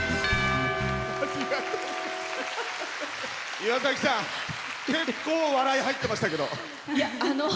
岩崎さん結構笑い入ってましたけど。